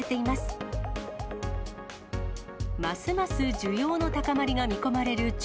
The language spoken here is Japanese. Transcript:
ますます需要の高まりが見込まれる